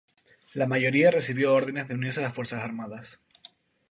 La mayoría recibió órdenes de unirse a las fuerzas armadas.